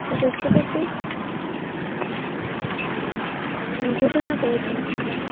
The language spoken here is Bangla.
এলাকাবাসী তাকে দ্রুত স্বাস্থ্য কমপ্লেক্সে নিলে কর্তব্যরত চিকিৎসক রাসেলকে মৃত ঘোষণা করেন।